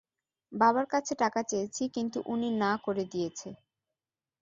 বাবার কাছে টাকা চেয়েছি কিন্তু উনি না করে দিয়েছে।